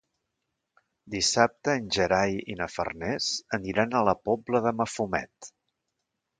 Dissabte en Gerai i na Farners aniran a la Pobla de Mafumet.